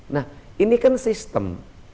nah ini kan sistem